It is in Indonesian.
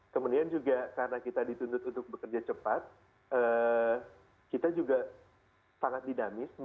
kemudian juga karena kita dituntut untuk bekerja cepat kita juga sangat dinamis